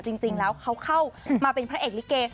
จริงแล้วเขาเข้ามาเป็นพระเอกลิเก